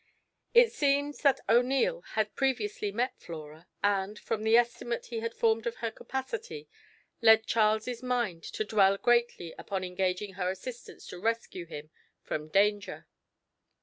It seems that O'Neil had previously met Flora, and, from the estimate he had formed of her capacity, led Charles's mind to dwell greatly upon engaging her assistance to rescue him from danger.